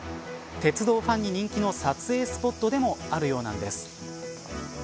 鉄道ファンに人気の撮影スポットでもあるようなんです。